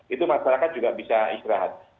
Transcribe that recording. itu masyarakat juga bisa istirahat